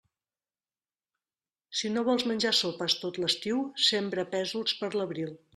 Si no vols menjar sopes tot l'estiu, sembra pèsols per l'abril.